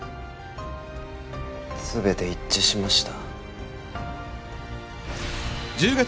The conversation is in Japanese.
すべて一致しました。